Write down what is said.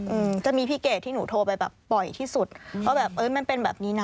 อืมจะมีพี่เกดที่หนูโทรไปแบบปล่อยที่สุดว่าแบบเอ้ยมันเป็นแบบนี้น่ะ